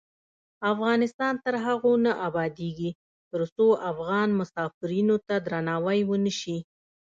افغانستان تر هغو نه ابادیږي، ترڅو افغان مسافرینو ته درناوی ونشي.